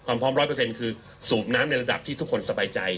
ความพร้อมร้อยเปอร์เซ็นต์คือสูบน้ำในระดับที่ทุกคนสบายใจ